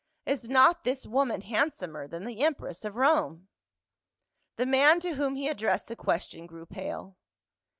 Is not this woman handsomer than the empress of Rome ?" The man to whom he addressed the question grew pale.